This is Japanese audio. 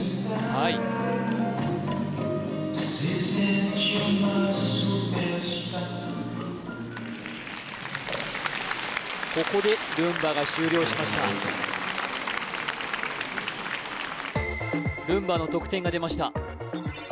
はいここでルンバが終了しましたルンバの得点が出ました